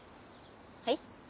はい？